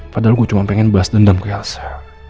padahal gue cuma pengen balas dendam ke elsa